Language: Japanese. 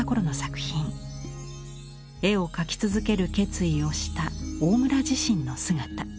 絵を描き続ける決意をした大村自身の姿。